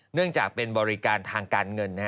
เนื่องจากเป็นบริการทางการเงิน